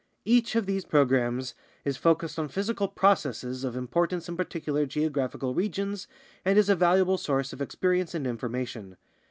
Each of these programs is focused on physical processes of im portance in particular geographical regions and is a valuable source of experience and information.